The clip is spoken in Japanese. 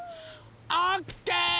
オッケー！